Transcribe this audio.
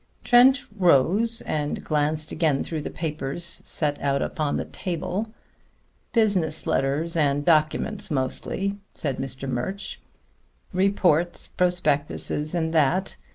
Trent rose and glanced again through the papers set out on the table. "Business letters and documents, mostly," said Mr. Murch. "Reports, prospectuses, and that.